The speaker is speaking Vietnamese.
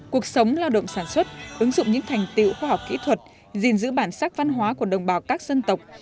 cuộc sống lao động sản xuất ứng dụng những thành tiệu khoa học kỹ thuật gìn giữ bản sắc văn hóa của đồng bào các dân tộc